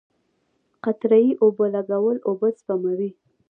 قطره یي اوبولګول اوبه سپموي.